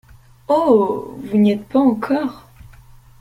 Oh ! vous n’y êtes pas encore !